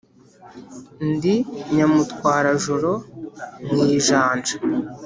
ndi Nyamutwarajoro mu ijanja